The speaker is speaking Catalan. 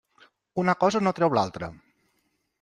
Una cosa no treu l'altra.